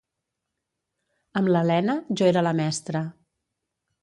Amb l'Elena, jo era la mestra.